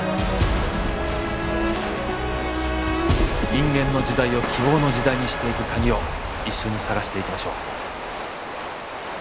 人間の時代を希望の時代にしていく鍵を一緒に探していきましょう。